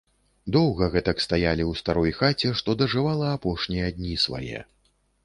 Доўга гэтак стаялі ў старой хаце, што дажывала апошнія дні свае.